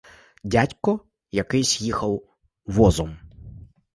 Дядько якийсь їхав возом.